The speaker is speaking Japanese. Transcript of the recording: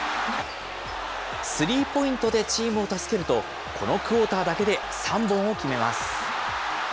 スリーポイントでチームを助けると、このクオーターだけで３本を決めます。